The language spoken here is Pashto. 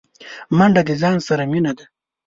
منډه د ځان سره مینه ده